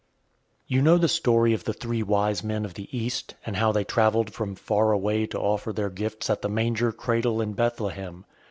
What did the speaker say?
_ You know the story of the Three Wise Men of the East, and how they travelled from far away to offer their gifts at the manger cradle in Bethlehem.